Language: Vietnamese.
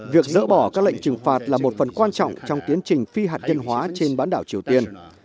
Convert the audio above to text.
việc dỡ bỏ các lệnh trừng phạt là một phần quan trọng trong tiến trình phi hạt nhân hóa trên bán đảo triều tiên